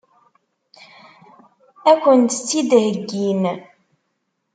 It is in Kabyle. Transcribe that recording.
Ad kent-tt-id-heggin?